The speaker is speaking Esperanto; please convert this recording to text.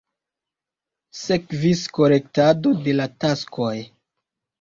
Sekvis korektado de la taskoj.